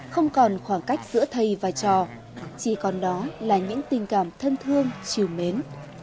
không còn khoảng cách giữa thầy và trò chỉ còn đó là những tình cảm thân thương chiều mến